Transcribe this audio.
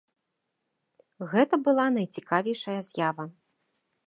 Гэта была найцікавейшая з'ява.